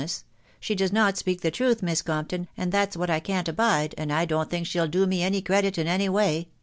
ness; — she does not speak the truth, Miss Compton, and that's what I can't abide, and I don't think. she'll do me any credit in any way ;•